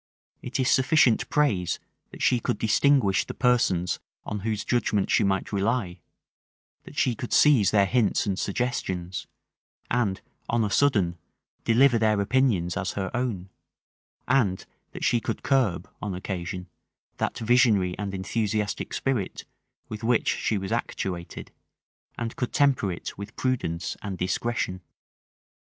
It is sufficient praise, that she could distinguish the persons on whose judgment she might rely; that she could seize their hints and suggestions, and on a sudden, deliver their opinions as her own; and that she could curb, on occasion, that visionary and enthusiastic spirit with which she was actuated, and could temper it with prudence and discretion.